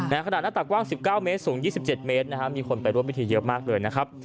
ขณะหน้าตักกว้าง๑๙เมตรสูง๒๗เมตรนะฮะมีคนไปร่วมพิธีเยอะมากเลยนะครับ